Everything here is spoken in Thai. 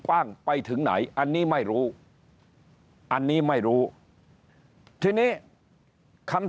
กว้างไปถึงไหนอันนี้ไม่รู้อันนี้ไม่รู้ทีนี้คำ